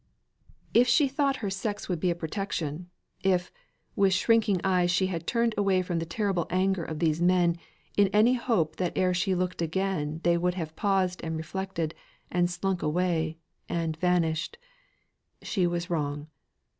If she thought her sex would be a protection, if, with shrinking eyes she had turned away from the terrible anger of these men, in any hope that ere she looked again they would have paused and reflected, and slunk away, and vanished, she was wrong.